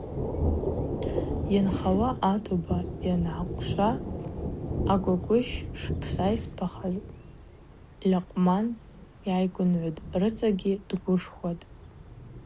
Йхынхауа атоба йангӏакӏвша агвагвыщ шпсайспахаз Льакъвман йгӏайгвынгӏвын рыцӏагьи дгвышхватӏ.